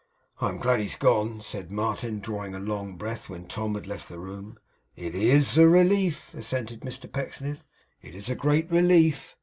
'I am glad he's gone,' said Martin, drawing a long breath when Tom had left the room. 'It IS a relief,' assented Mr Pecksniff. 'It is a great relief.